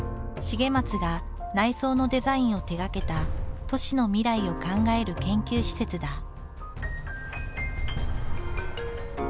重松が内装のデザインを手がけた都市の未来を考える研究施設だ。